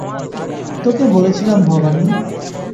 তোকে বলেছিলাম, ভবানী।